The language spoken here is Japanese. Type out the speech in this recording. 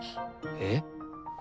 えっ？